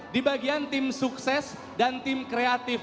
di bagian tim sukses dan tim kreatif